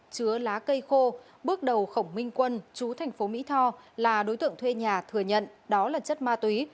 chứa lá cây khô bước đầu khổng minh quân chú thành phố mỹ tho là đối tượng thuê nhà thừa nhận đó là chất ma túy